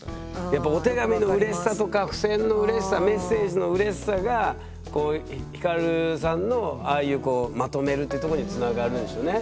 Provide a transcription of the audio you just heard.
やっぱお手紙のうれしさとか付箋のうれしさメッセージのうれしさがヒカルさんのああいうまとめるってとこにつながるんでしょうね。